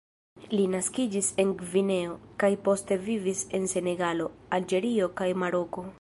Li naskiĝis en Gvineo kaj poste vivis en Senegalo, Alĝerio kaj Maroko.